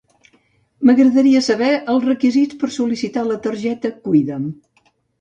M'agradaria saber els requisits per sol·licitar la targeta Cuida'm.